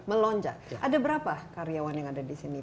melonjak ada berapa karyawan yang ada di sini